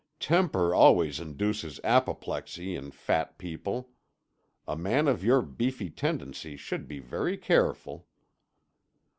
"Temper always induces apoplexy in fat people. A man of your beefy tendency should be very careful."